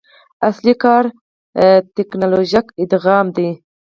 اصلي کار ټکنالوژیک ادغام دی.